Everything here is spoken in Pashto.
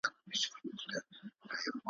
د ژوندیو له نړۍ څخه بېلېږم `